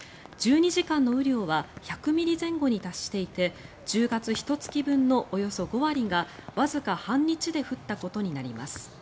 １２時間の雨量は１００ミリ前後に達していて１０月ひと月分のおよそ５割がわずか半日で降ったことになります。